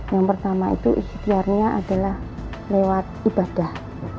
yang pertama itu ikhtiarnya adalah lewat ibadah